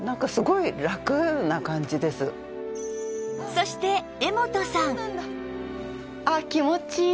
そして絵元さん